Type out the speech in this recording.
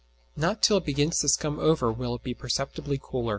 Not till it begins to scum over will it be perceptibly cooler.